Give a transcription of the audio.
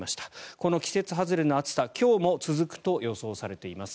この季節外れの暑さ今日も続くと予想されています。